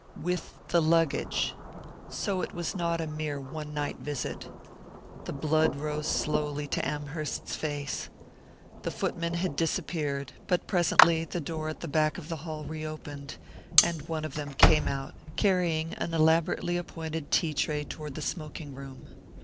With the luggage! So it was not a mere one night visit. The blood rose slowly to Amherst's face. The footmen had disappeared, but presently the door at the back of the hall reopened, and one of them came out, carrying an elaborately appointed tea tray toward the smoking room.